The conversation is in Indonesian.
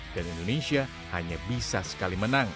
dan indonesia hanya bisa sekali menang